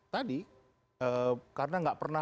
tadi karena nggak pernah